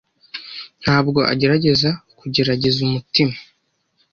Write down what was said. Ntabwo agerageza kugerageza umutima.